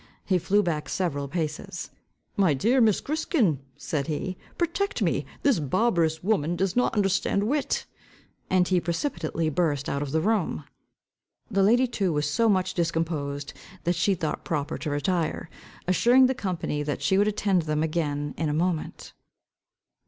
He flew back several paces. "My dear Miss Griskin," said he, "protect me! This barbarous woman does not understand wit," and he precipitately burst out of the room. The lady too was so much discomposed, that she thought proper to retire, assuring the company that she would attend them again in a moment.